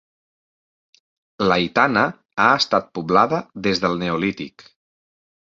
L'Aitana ha estat poblada des del neolític.